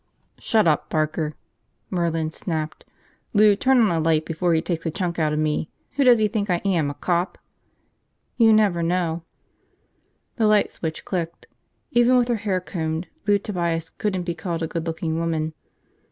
"Shut up, Barker!" Merlin snapped. "Lou, turn on a light before he takes a chunk out of me. Who does he think I am, a cop?" "You never know." The light switch clicked. Even with her hair combed, Lou Tobias couldn't be called a good looking woman.